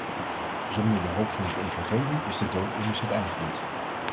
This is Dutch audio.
Zonder de hoop van het evangelie is de dood immers het eindpunt.